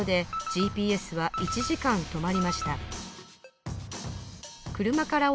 ＧＰＳは１時間止まりました